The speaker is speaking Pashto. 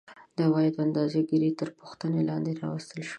د عوایدو اندازه ګیري تر پوښتنې لاندې راوستل شوې